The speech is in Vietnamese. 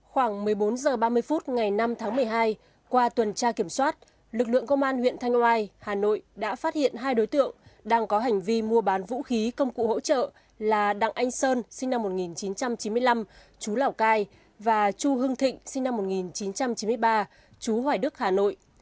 khoảng một mươi bốn h ba mươi phút ngày năm tháng một mươi hai qua tuần tra kiểm soát lực lượng công an huyện thanh oai hà nội đã phát hiện hai đối tượng đang có hành vi mua bán vũ khí công cụ hỗ trợ là đặng anh sơn sinh năm một nghìn chín trăm chín mươi năm chú lào cai và chu hưng thịnh sinh năm một nghìn chín trăm chín mươi ba chú hoài đức hà nội